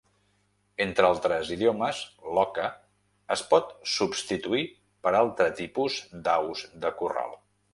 En altres idiomes, l'"oca" es pot substituir per altres tipus d'aus de corral.